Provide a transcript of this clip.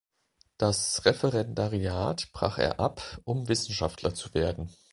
Das Referendariat brach er ab, um Wissenschaftler zu werden.